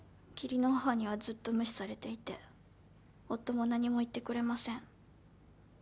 義理の母にはずっと無視されていて夫も何も言ってくれません。